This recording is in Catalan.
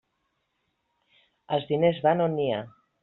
Els diners van on n'hi ha.